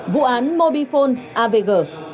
vụ án mobifone avg